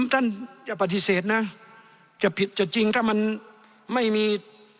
ท่านจะปฏิเสธนะจะผิดจะจริงถ้ามันไม่มี